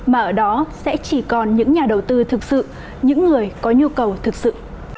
mà ở đó sẽ chỉ còn những nhà đầu tư thực sự những người có nhu cầu thực sự